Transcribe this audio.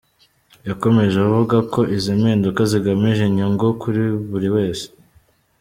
Yakomeje avuga ko izi mpinduka zigamije inyungu kuri buri wese.